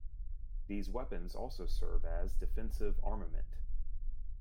These weapons also serve as defensive armament.